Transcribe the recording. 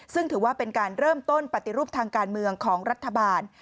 ซึ่งถือว่าเป็นการเริ่มต้นปฏิรูปทางการเมืองของรัฐบาล